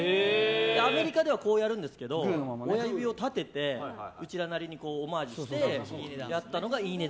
アメリカではこうやるんですけど親指を立てて、うちらなりにオマージュしてやったのがいいね